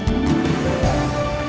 jangan lupa untuk mencoba